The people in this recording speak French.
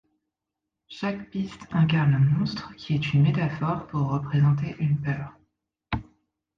Chaque piste incarne un monstre, qui est une métaphore pour représenter une peur.